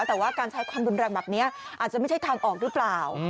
แต่ว่าการใช้ความรุนแรงแบบนี้อาจจะไม่ใช่ทางออกหรือเปล่า